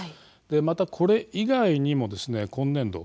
またこれ以外にも今年度